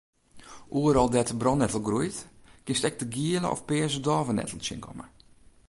Oeral dêr't de brannettel groeit kinst ek de giele of pearse dôvenettel tsjinkomme.